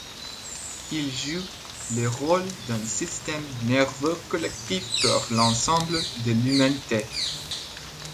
Il joue le rôle d'un système nerveux collectif pour l'ensemble de l'humanité.